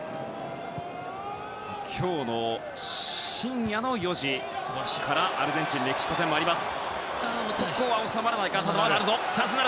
今日の深夜の４時からアルゼンチンとメキシコ戦です。